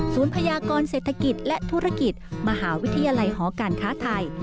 พยากรเศรษฐกิจและธุรกิจมหาวิทยาลัยหอการค้าไทย